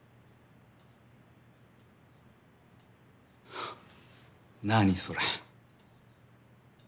フッ何それ。